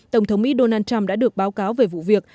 tổng thống mỹ donald trump đã được báo cáo về vụ việc